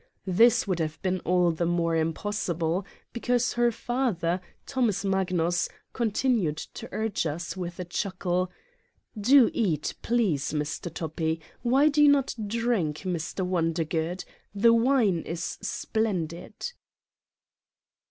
This would have been all the more impossible, because her father, Thomas Magnus, continued to urge us with a chuckle : "Do eat, please, Mr. Toppi. Why do you not drink, Mr. Wondergood? The wine is splendid.